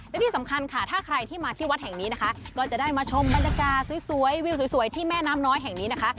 และที่สำคัญค่ะถ้าใครที่มาที่วัดแห่งนี้นะคะก็จะได้มาชมบรรยากาศสวยวิวสวยที่แม่น้ำน้อยแห่งนี้นะคะ